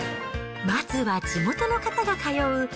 まずは地元の方が通う